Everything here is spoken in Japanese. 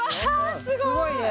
すごいね。